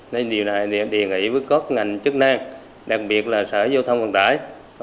nên điều này thì đề nghị với các ngành chức năng đặc biệt là sở giao thông vận tải